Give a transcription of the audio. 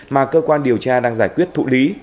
mà cơ quan điều tra đang giải quyết thụ lý